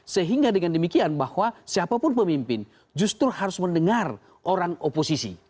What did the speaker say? sehingga dengan demikian bahwa siapapun pemimpin justru harus mendengar orang oposisi